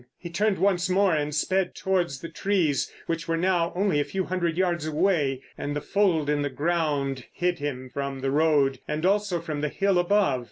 He turned once more and sped towards the trees which were now only a few hundred yards away, and the fold in the ground hid him from the road and also from the hill above.